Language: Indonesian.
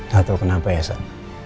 gak tau kenapa ya san